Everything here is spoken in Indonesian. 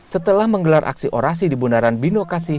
setelah menggelar aksi orasi di bundaran bino kasih